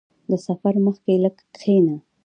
• د سفر مخکې لږ کښېنه.